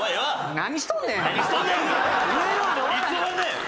何しとんねん！